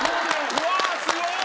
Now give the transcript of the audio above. うわすごい！